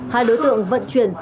hai đối tượng vận chuyển